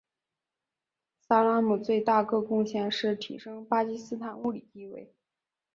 萨拉姆最大个贡献是提升巴基斯坦物理地位。